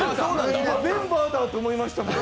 メンバーだ！と思いましたもん。